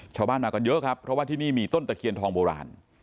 ชาวบ้านมากันเยอะครับเพราะว่าที่นี่มีต้นตะเคียนทองโบราณ